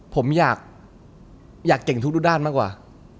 ผมอยากเก่งทุกด้านมากกว่า